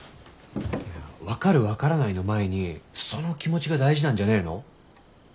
分かる分からないの前にその気持ちが大事なんじゃねえの？